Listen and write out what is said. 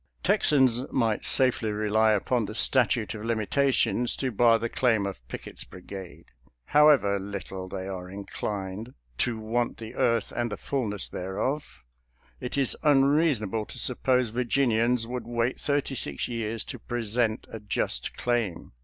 Texans might safely rely upon the statute of limitations to bar the claim of Pickett's brigade. However little they are inclined " to want the earth and the fullness thereof," it is unreason able to suppose Virginians would wait thirty six years to present a just claim.